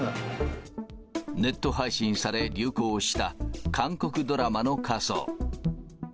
ネット配信され流行した、韓国ドラマの仮装。